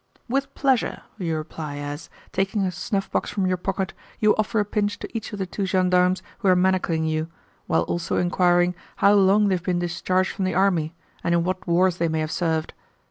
'With pleasure,' you reply as, taking a snuff box from your pocket, you offer a pinch to each of the two gendarmes who are manacling you, while also inquiring how long they have been discharged from the army, and in what wars they may have served.